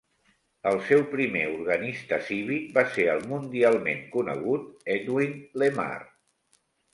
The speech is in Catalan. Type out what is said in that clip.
El seu primer organista cívic va ser el mundialment conegut Edwin Lemare.